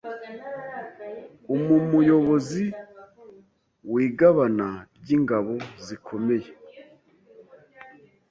umumuyobozi wigabana ryingabo zikomeye